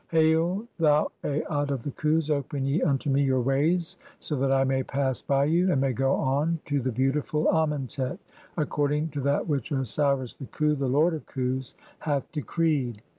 (3) Hail, "thou Aat of the Khus, open ye unto me your ways so that I "may pass by you and may go on (4) to the beautiful Amentet, "according to that which Osiris, the Khu, the lord of Khus, "hath decreed.